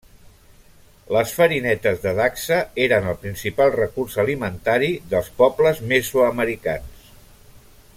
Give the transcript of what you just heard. Les farinetes de dacsa eren el principal recurs alimentari dels pobles mesoamericans.